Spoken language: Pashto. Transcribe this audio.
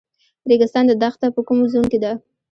ریګستان دښته په کوم زون کې ده؟